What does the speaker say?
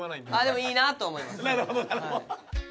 でもいいなと思います。